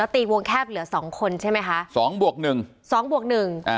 ตีวงแคบเหลือสองคนใช่ไหมคะสองบวกหนึ่งสองบวกหนึ่งอ่า